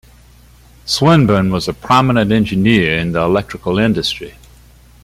Swinburne was a prominent engineer in the electrical industry.